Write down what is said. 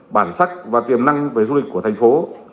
bản sắc và tiềm năng về du lịch của thành phố